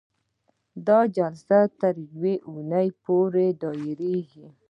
دا جلسه تر یوې اونۍ پورې دایریږي.